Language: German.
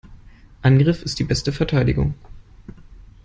Angriff ist die beste Verteidigung.